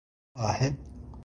ود جرير اللؤم لو كان عانيا